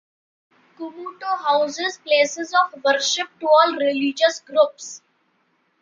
Cumuto houses places of worship to all religious groups.